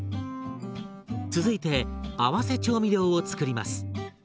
続いて合わせ調味料を作ります。